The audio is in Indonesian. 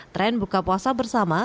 tren buka puasa bersama